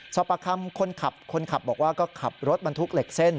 สอบปากคำคนขับบอกว่าก็ขับรถบรรทุกเหล็กเส้น